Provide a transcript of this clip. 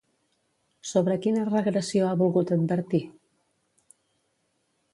Sobre quina regressió ha volgut advertir?